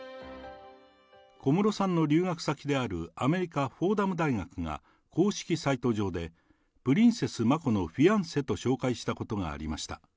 小室さんの留学先であるアメリカ・フォーダム大学が公式サイト上で、プリンセス・マコのフィアンセと紹介したことがありました。